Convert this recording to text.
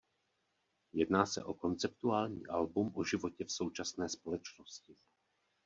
Jedná se o konceptuální album o životě v současné společnosti.